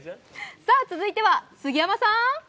続いては杉山さん。